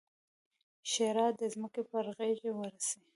ښېرا: د ځمکې پر غېږ ورسئ!